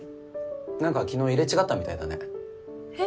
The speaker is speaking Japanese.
何か昨日入れ違ったみたいだねえっ？